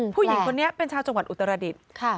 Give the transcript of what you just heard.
ผู้หญิงคนนี้เป็นชาวจังหวัดอุตรดิษฐ์